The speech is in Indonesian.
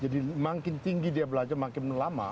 jadi makin tinggi dia belajar makin lama dia akan lebih baik